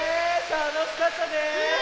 たのしかったね！